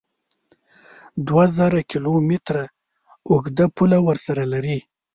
دوه زره کیلو متره اوږده پوله ورسره لري